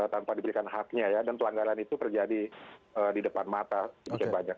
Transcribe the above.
tanpa diberikan haknya ya dan pelanggaran itu terjadi di depan mata banyak